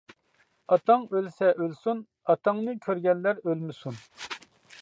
ئاتاڭ ئۆلسە ئۆلسۇن، ئاتاڭنى كۆرگەنلەر ئۆلمىسۇن.